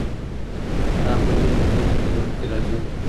دا بدلونونه د خلګو په ژوند کي راځي.